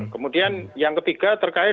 kemudian yang ketiga terkait